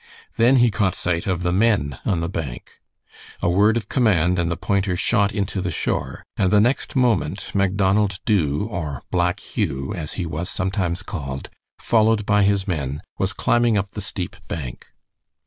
Then he caught sight of the men on the bank. A word of command and the pointer shot into the shore, and the next moment Macdonald Dubh, or Black Hugh, as he was sometimes called, followed by his men, was climbing up the steep bank.